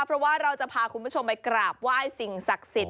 เพราะว่าเราจะพาคุณผู้ชมไปกราบไหว้สิ่งศักดิ์สิทธิ